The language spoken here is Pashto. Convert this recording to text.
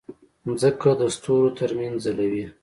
مځکه د ستورو ترمنځ ځلوي.